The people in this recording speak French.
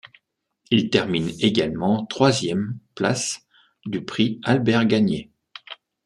Il termine également troisième place du Prix Albert-Gagnet.